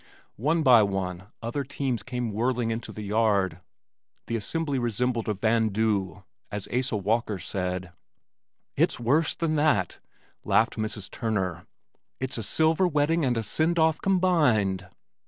One by one other teams came whirling into the yard. The assembly resembled a "vandoo" as Asa Walker said. "It's worse than that," laughed Mrs. Turner. "It's a silver wedding and a 'send off' combined."